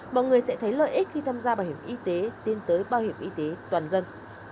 mọi người sẽ thấy lợi ích khi tham gia bảo hiểm y tế tiến tới bảo hiểm y tế toàn dân